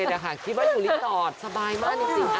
ตอนนี้ค่ะคิดว่าอยู่ริษทธรตสบายมากนี่สิคะ